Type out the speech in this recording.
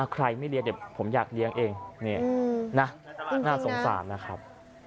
ใครไม่เลี้ยงเดี๋ยวผมอยากเลี้ยงเองนี่นะน่าสงสารนะครับ